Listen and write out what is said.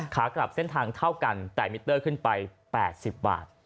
ขากลับเส้นทางเท่ากันแต่มิเตอร์ขึ้นไป๘๐บาท